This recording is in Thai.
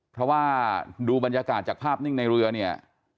เพราะว่าดูบรรยากาศจากภาพนิ่งในเรือเนี่ย